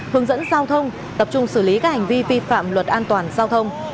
hướng dẫn giao thông tập trung xử lý các hành vi vi phạm luật an toàn giao thông